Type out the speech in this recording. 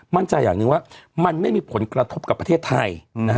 มันจะอย่างนึงว่าไม่มีผลกระทบกับประเทศไทย